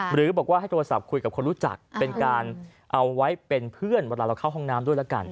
หรือบอกว่าให้โทรศัพท์คุยกับคนรู้จักเป็นการเอาไว้เป็นเพื่อนเวลาเราเข้าห้องน้ำด้วยละกัน